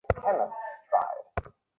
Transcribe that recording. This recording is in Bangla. আমাদের সকলেরই একই প্রত্যাশা।